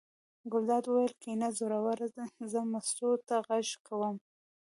ګلداد وویل: کېنه زوروره زه مستو ته غږ کوم.